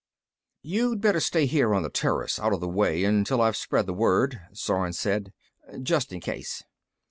V "You'd better stay here on this terrace out of the way until I've spread the word," Zorn said. "Just in case."